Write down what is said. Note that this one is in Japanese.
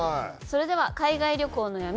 それでは「海外旅行の闇！